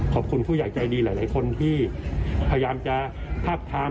ขอบคุณผู้ใหญ่ใจดีหลายคนที่พยายามจะทาบทาม